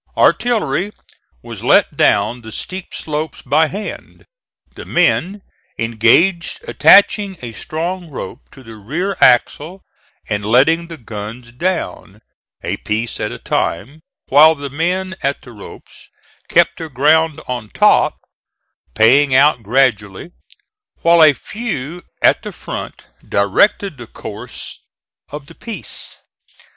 Artillery was let down the steep slopes by hand, the men engaged attaching a strong rope to the rear axle and letting the guns down, a piece at a time, while the men at the ropes kept their ground on top, paying out gradually, while a few at the front directed the course of the piece.